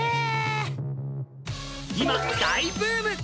今大ブーム！